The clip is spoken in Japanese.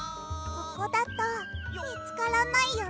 ここだとみつからないよね。